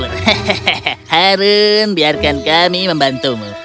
hehehe harun biarkan kami membantumu